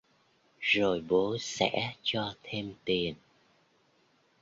rồi bố xẽ cho thêm tiền